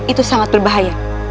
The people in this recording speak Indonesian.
itu sangat berbahaya